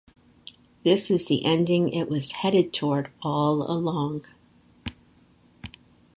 This is the ending it was headed toward all along.